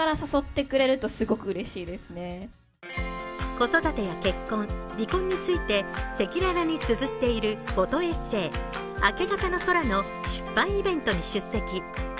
子育てや結婚、離婚について赤裸々につづっているフォトエッセー「明け方の空」の出版イベントに出席。